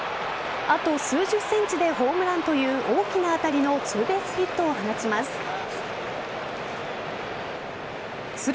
あと数十ｃｍでホームランという大きな当たりのツーベースヒットを放ちます。